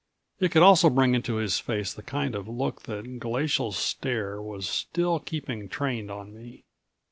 It could also bring into his face the kind of look that Glacial Stare was still keeping trained on me.